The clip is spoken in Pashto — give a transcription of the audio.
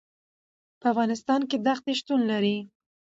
په افغانستان کې دښتې شتون لري.